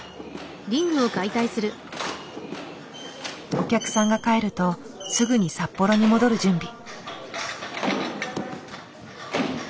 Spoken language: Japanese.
お客さんが帰るとすぐに札幌に戻る準備。